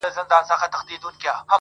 زما زما د ژوند لپاره ژوند پرې ايښی,